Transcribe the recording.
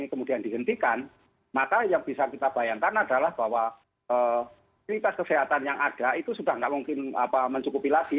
kemudian dihentikan maka yang bisa kita bayangkan adalah bahwa fasilitas kesehatan yang ada itu sudah tidak mungkin mencukupi lagi